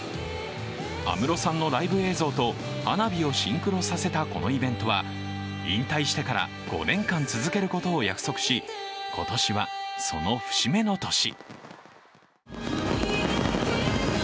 安室さんのライブ映像と花火をシンクロさせたこのイベントは引退してから５年間続けることを約束し、今年はその節目の年。